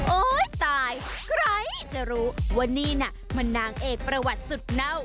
ตายใครจะรู้ว่านี่น่ะมันนางเอกประวัติสุดเน่า